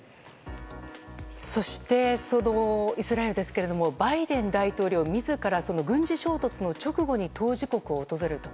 そして、イスラエルですけどもバイデン大統領自ら軍事衝突の直後に当事国を訪れると。